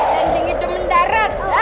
landing itu mendarat